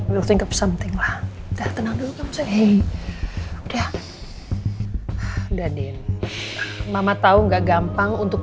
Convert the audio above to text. will think of something lah dah tenang dulu kamu udah udah udah din mama tahu nggak gampang untuk